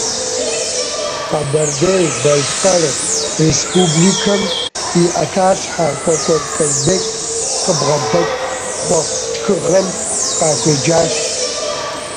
Къэбэрдей-Балъкъэр Республикэм и ӏэтащхьэ Кӏуэкӏуэ Казбек къыбгъэдэкӏ хъуэхъу тхыгъэм къахуеджащ.